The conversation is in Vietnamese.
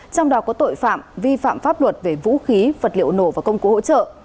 trong đó có tội phạm vi phạm pháp luật về vũ khí vật liệu nổ và công cụ hỗ trợ